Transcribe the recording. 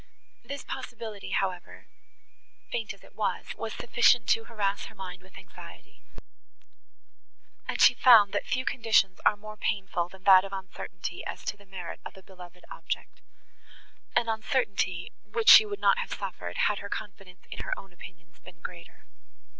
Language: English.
This possibility, however, faint as it was, was sufficient to harass her mind with anxiety, and she found, that few conditions are more painful than that of uncertainty, as to the merit of a beloved object; an uncertainty, which she would not have suffered, had her confidence in her own opinions been greater.